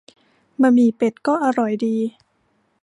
บะหมี่เป็ดก็อร่อยดี